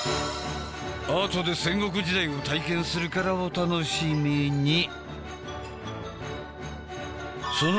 あとで戦国時代を体験するからお楽しみに。